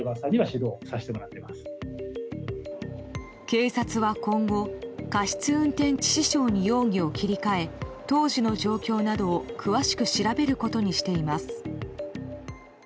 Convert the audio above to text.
警察は今後、過失運転致死傷に容疑を切り替え当時の状況などを詳しく調べることにしています。